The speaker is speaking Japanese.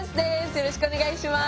よろしくお願いします。